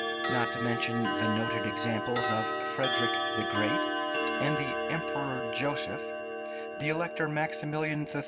Not to mention the noted examples of Frederick the Great and the Emperor Joseph, the Elector Maximilian III.